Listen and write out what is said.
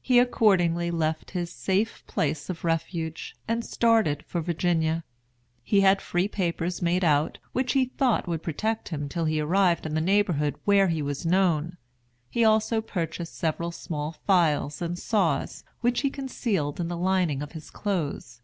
He accordingly left his safe place of refuge, and started for Virginia. He had free papers made out, which he thought would protect him till he arrived in the neighborhood where he was known. He also purchased several small files and saws, which he concealed in the lining of his clothes.